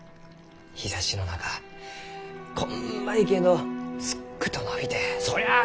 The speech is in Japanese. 日ざしの中こんまいけんどすっくと伸びてそりゃあ